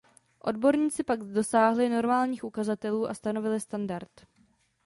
Odborníci pak dosáhli normálních ukazatelů a stanovili standard.